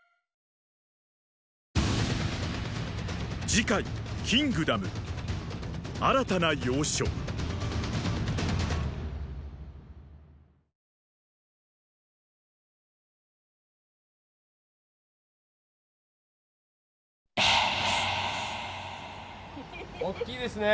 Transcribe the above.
次回「キングダム」・おっきいですね。